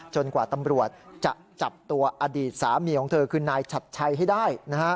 กว่าตำรวจจะจับตัวอดีตสามีของเธอคือนายชัดชัยให้ได้นะฮะ